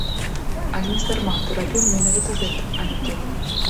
Але нездарма ты рабіў менавіта гэта, а не тое.